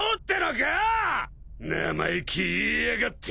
生意気言いやがって。